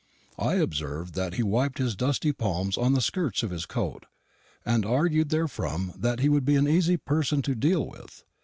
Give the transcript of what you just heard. I observed that he wiped his dusty palms on the skirts of his coat, and argued therefrom that he would be an easy person to deal with.